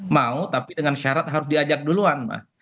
mau tapi dengan syarat harus diajak duluan mbak